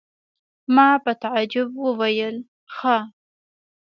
ما په تعجب وویل: ښه!